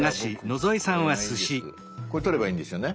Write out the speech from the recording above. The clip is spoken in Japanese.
これ撮ればいいんですよね？